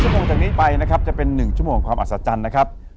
โมงจากนี้ไปนะครับจะเป็น๑ชั่วโมงความอัศจรรย์นะครับ